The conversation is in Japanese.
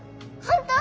本当？